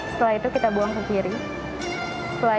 setelah itu kita buang ke kiri